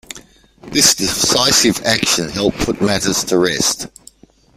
This decisive action helped put matters to rest.